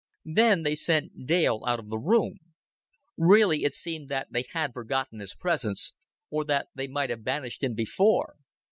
Then they sent Dale out of the room. Really it seemed that they had forgotten his presence, or they might have banished him before.